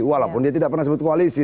walaupun dia tidak pernah sebut koalisi